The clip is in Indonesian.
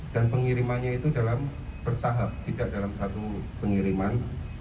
dan pengirimannya itu dalam bertahap tidak dalam satu pengiriman